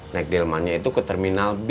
naik delmannya itu ke terminal b